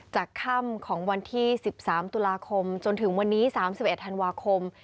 ค่ำของวันที่๑๓ตุลาคมจนถึงวันนี้๓๑ธันวาคม